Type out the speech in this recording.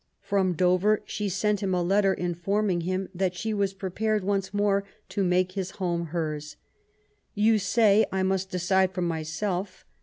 From Dover she sent him a letter informing him that she was prepared once more to make his home hers :— You say I mnst decide for myself.